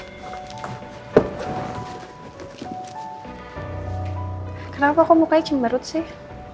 kenapa kok mukanya cemberut sih